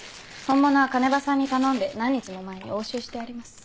本物は鐘場さんに頼んで何日も前に押収してあります。